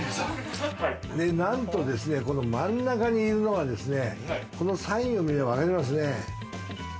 なんとですね、この真ん中にいるのはですね、このサインを見ればわかりますね。